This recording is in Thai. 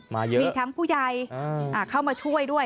เยอะมีทั้งผู้ใหญ่เข้ามาช่วยด้วย